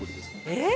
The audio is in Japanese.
えっ！